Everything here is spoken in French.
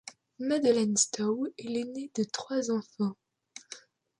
Madeleine Stowe est l'aînée de trois enfants.